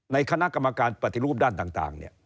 ในคณะกรรมการปฏิรูปด้านต่าง